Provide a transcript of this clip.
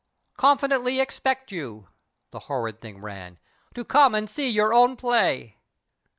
" Confidently expect you," the horrid thing ran, " to come and see your own play."